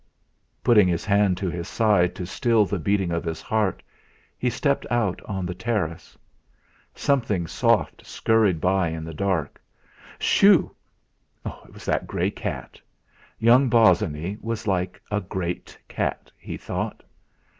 Putting his hand to his side to still the beating of his heart, he stepped out on the terrace. Something soft scurried by in the dark. "Shoo!" It was that great grey cat. 'Young Bosinney was like a great cat!' he thought.